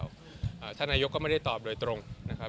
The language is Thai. ท่านนายกก็ไม่ได้ตอบโดยตรงนะครับ